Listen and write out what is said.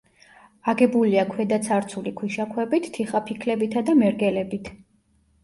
აგებულია ქვედაცარცული ქვიშაქვებით, თიხაფიქლებითა და მერგელებით.